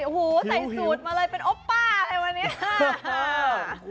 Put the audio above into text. โอ้โหใส่สูตรมาเลยเป็นโอปป้าเลยวันนี้